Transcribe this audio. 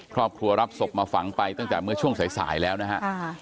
ครอบครัวรับศพมาฝังไปตั้งแต่เมื่อช่วงสายแล้วนะฮะ